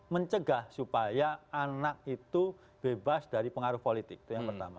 mencegah supaya anak itu bebas dari pengaruh politik itu yang pertama